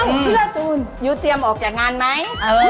คิดว่าจูนยูเตรียมออกจากงานไหม